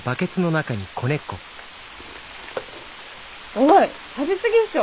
おい食べ過ぎっしょ。